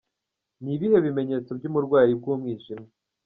Ni ibihe bimenyetso by’uburwayi bw’umwijima ?.